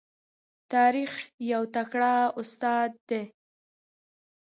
تاریخ یو تکړه استاد دی.